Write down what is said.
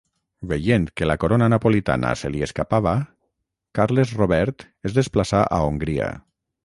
Veient que la corona napolitana se li escapava, Carles Robert es desplaçà a Hongria.